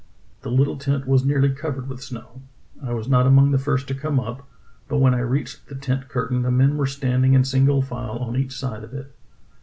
"The httle tent was nearly covered with snow. I was not among the first to come up; but when I reached the tent curtain the men were standing in single file on each side of it.